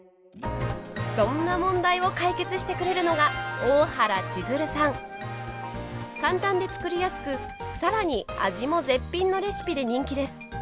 そんな問題を解決してくれるのが簡単で作りやすく更に味も絶品のレシピで人気です。